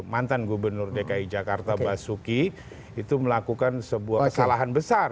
mantan gubernur dki jakarta basuki itu melakukan sebuah kesalahan besar